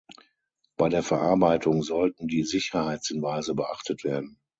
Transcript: Bei der Verarbeitung sollten die Sicherheitshinweise beachtet werden.